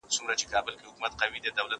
زه هره ورځ مېوې راټولوم!